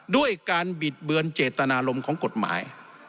ด้วยการบิดเบือนเจตนารมณ์ของกฎหมาย